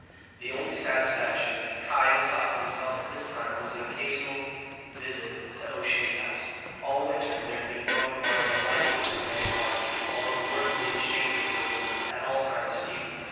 The only satisfaction that Caius sought for himself at this time was an occasional visit to O'Shea's house. All winter there had been growing upon him a liking for the man's wife, although the words that he exchanged with her were at all times few.